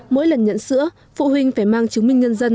mỗi lần nhận sữa phụ huynh phải mang chứng minh nhân dân